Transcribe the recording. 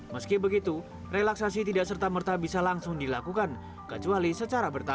meski begitu relaksasi tidak serta merta bisa langsung dilakukan